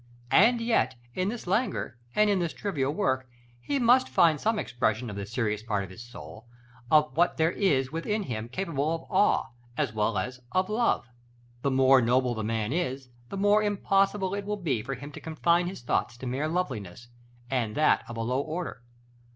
And yet, in this languor, and in this trivial work, he must find some expression of the serious part of his soul, of what there is within him capable of awe, as well as of love. The more noble the man is, the more impossible it will be for him to confine his thoughts to mere loveliness, and that of a low order.